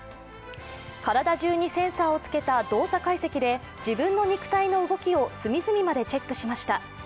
体中にセンサーをつけた動作解析で自分の肉体の動きを隅々までチェックしました。